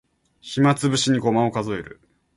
暇つぶしにごまを数える